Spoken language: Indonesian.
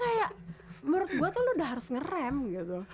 gue kayak menurut gue tuh lo udah harus ngerem gitu